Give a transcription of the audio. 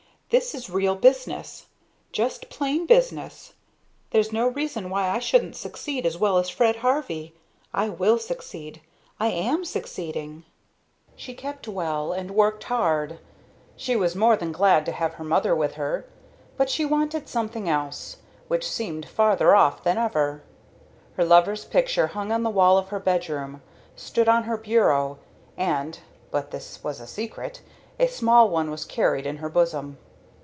"This is real business, just plain business. There's no reason why I shouldn't succeed as well as Fred Harvey. I will succeed. I am succeeding." She kept well, she worked hard, she was more than glad to have her mother with her; but she wanted something else, which seemed farther off than ever. Her lover's picture hung on the wall of her bedroom, stood on her bureau, and (but this was a secret) a small one was carried in her bosom.